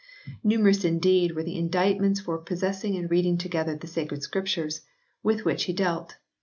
Numerous indeed were the indictments for possessing and reading together the Sacred Scriptures with which he dealt.